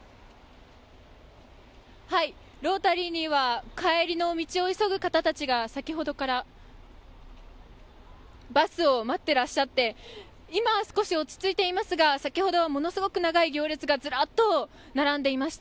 ロータリーには帰りの道を急ぐ方たちが先ほどからバスを待っていらっしゃって、今、少し落ち着いていますが、先ほどはものすごく長い行列が、ずらっと並んでしました。